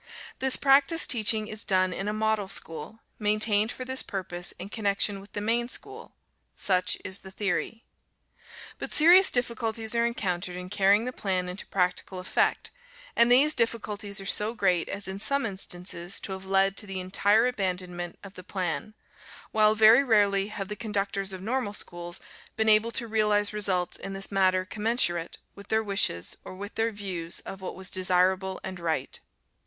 This practice teaching is done in a Model School, maintained for this purpose in connection with the main school. Such is the theory. But serious difficulties are encountered in carrying the plan into practical effect, and these difficulties are so great as in some instances to have led to the entire abandonment of the plan, while very rarely have the conductors of Normal schools been able to realize results in this matter commensurate with their wishes or with their views of what was desirable and right.